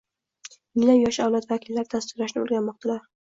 minglab yosh avlod vakillari dasturlashni oʻrganmoqdalar.